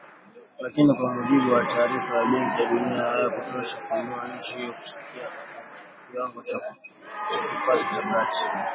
Lakini, kwa mujibu wa taarifa ya ya Benki ya Dunia, hayakutosha kuiinua nchi hiyo kufikia kiwango cha kipato cha kati